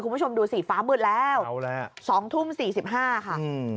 คุณผู้ชมดูสิฟ้ามืดแล้วเอาแล้วสองทุ่มสี่สิบห้าค่ะอืม